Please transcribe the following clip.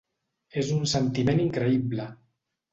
És un sentiment increïble.